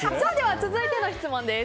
続いての質問です。